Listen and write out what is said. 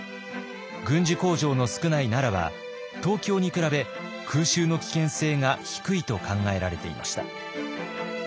軍需工場の少ない奈良は東京に比べ空襲の危険性が低いと考えられていました。